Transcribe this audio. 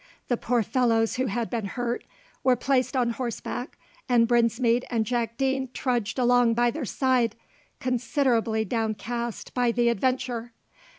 The poor fellows who had been hurt were placed on horseback, and Brinsmead and Jack Deane trudged along by their side, considerably downcast by the adventure.